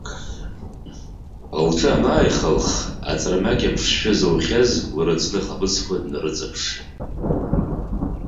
Лҿы анааихылх, аҵармақьа ԥшшәы зоухьаз лыраӡны хаԥыцқәа днарыҵаԥшит.